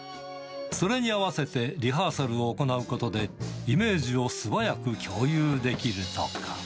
それに合わせてリハーサルを行うことで、イメージを素早く共有できるとか。